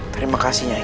terima kasih nyai